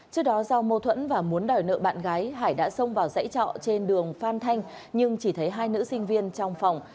trước đó do mâu thuẫn và muốn đòi nợ bạn gái hải đã xông vào dãy trọ trên đường phan thanh nhưng chỉ thấy hai nữ sinh viên trong phòng